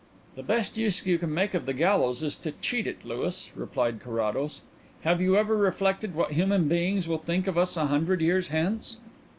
"The best use you can make of the gallows is to cheat it, Louis," replied Carrados. "Have you ever reflected what human beings will think of us a hundred years hence?"